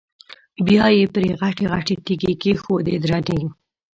بیا یې پرې غټې غټې تیږې کېښودې درنې.